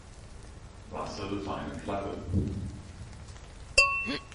Russel seine Flagge.